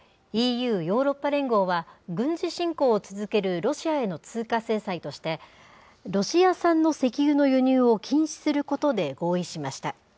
ＥＵ・ヨーロッパ連合は軍事侵攻を続けるロシアへの追加制裁として、ロシア産の石油の輸入を禁止することで合意しました。